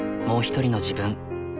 もう一人の自分。